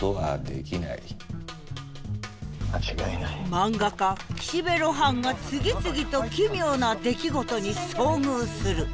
漫画家岸辺露伴が次々と「奇妙」な出来事に遭遇する。